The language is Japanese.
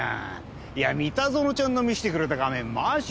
いや三田園ちゃんが見せてくれた画面マジ